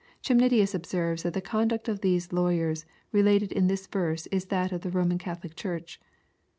Chemnitius observes that the conduct of these lawyers related in this verse is tliat of the Roman Catholic Church.